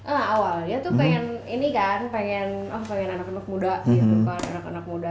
awalnya tuh pengen anak anak muda